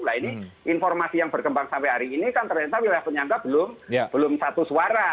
nah ini informasi yang berkembang sampai hari ini kan ternyata wilayah penyangga belum satu suara